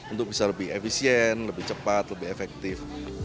untuk bisa lebih efisien lebih cepat lebih efektif